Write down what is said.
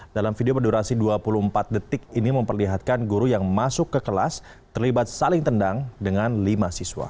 dalam video berdurasi dua puluh empat detik ini memperlihatkan guru yang masuk ke kelas terlibat saling tendang dengan lima siswa